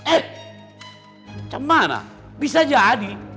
eh gimana bisa jadi